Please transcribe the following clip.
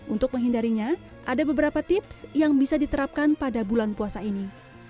untuk menghindarinya ada beberapa tips yang bisa diterapkan pada bulan puasa ini